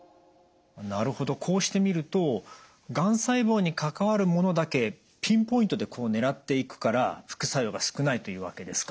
なるほどこうして見るとがん細胞に関わるものだけピンポイントで狙っていくから副作用が少ないというわけですか。